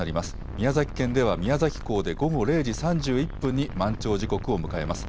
宮崎県では宮崎港で午後０時３１分に満潮時刻を迎えます。